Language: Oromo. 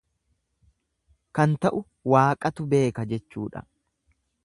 Kan ta'u Waaqatu beeka jechuudha.